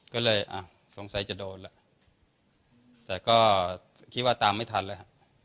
ก็เลยอ่ะสงสัยจะโดนแล้วแต่ก็คิดว่าตามไม่ทันแล้วฮะ